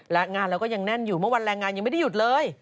และงานเราก็ยังแน่นอยู่เมื่อวันแรงงานยังไม่ได้หยุดเลย